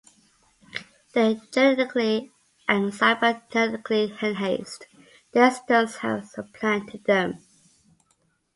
Their genetically and cybernetically enhanced descendants have supplanted them.